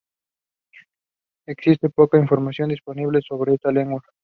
Existe poca información disponible sobre esta lengua.